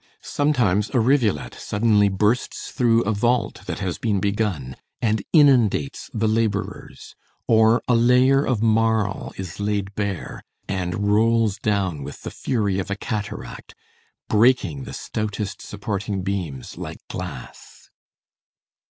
Sometimes a rivulet suddenly bursts through a vault that has been begun, and inundates the laborers; or a layer of marl is laid bare, and rolls down with the fury of a cataract, breaking the stoutest supporting beams like glass.